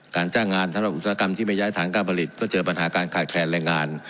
จ้างงานสำหรับอุตสาหกรรมที่ไม่ย้ายฐานการผลิตก็เจอปัญหาการขาดแคลนแรงงาน